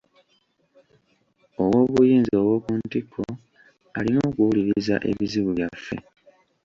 Ow'obuyinza ow'oku ntikko alina okuwuliriza ebizibu byaffe.